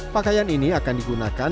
pakaian ini akan digunakan